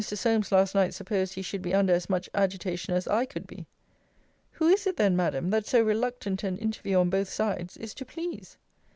Solmes last night supposed he should be under as much agitation as I could be. Who is it, then, Madam, that so reluctant an interview on both sides, is to please?